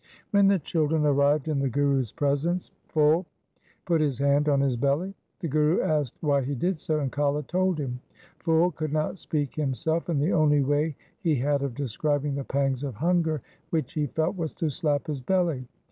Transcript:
When the children arrived in the Guru's presence, Phul put his hand on his belly. The Guru asked why he did so, and Kala told him. Phul could not speak himself, and the only way he had of describing the pangs of hunger which he felt was to slap his belly.